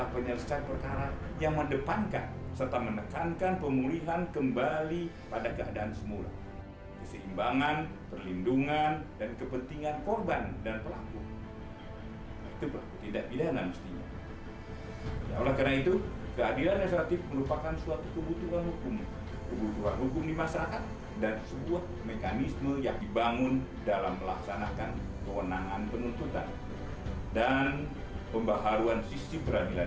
menjalankan prosedur yang ada di tangan kami ayo terserah bagaimana baiknya keputusan ada di tangan kalian kami hanya bisa